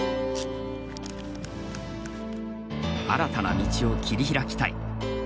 新たな道を切り開きたい。